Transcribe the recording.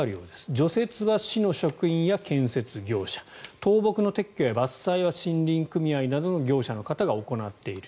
除雪は市の職員や建設業者倒木の撤去や伐採は森林組合などの業者の方が行っている。